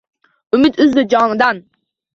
Umid uzdi jonidan.